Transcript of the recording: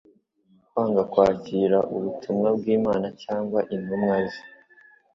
kwanga kwakira ubutumwa bw'Imana cyangwa intumwa ze